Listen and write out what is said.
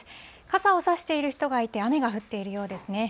傘を差している人がいて、雨が降っているようですね。